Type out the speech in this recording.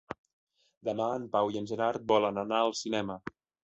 Demà en Pau i en Gerard volen anar al cinema.